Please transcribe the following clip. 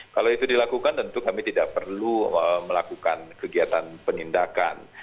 kalau itu dilakukan tentu kami tidak perlu melakukan kegiatan penindakan